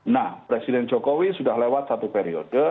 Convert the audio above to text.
nah presiden jokowi sudah lewat satu periode